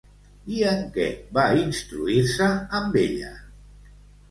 I en què va instruir-se amb ella?